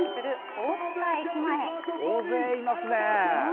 大勢いますね。